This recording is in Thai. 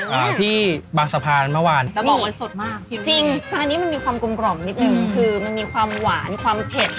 เป็นรวมปูผัดพริกกินูครับจานนี้อยู่ที่๔๒๐บาทครับ